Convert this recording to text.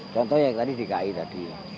contohnya yang tadi di ki tadi